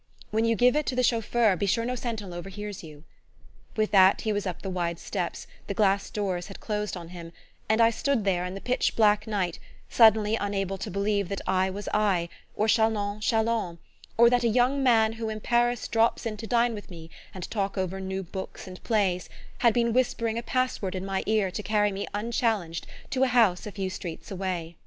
When you give it to the chauffeur, be sure no sentinel overhears you." With that he was up the wide steps, the glass doors had closed on him, and I stood there in the pitch black night, suddenly unable to believe that I was I, or Chalons Chalons, or that a young man who in Paris drops in to dine with me and talk over new books and plays, had been whispering a password in my ear to carry me unchallenged to a house a few streets away!